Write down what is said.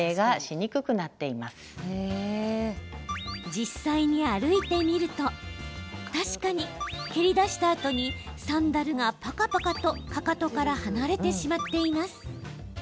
実際に歩いてみると確かに蹴り出したあとにサンダルが、ぱかぱかとかかとから離れてしまっています。